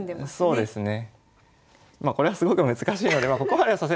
そうですね。